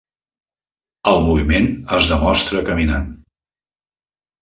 El moviment es demostra caminant.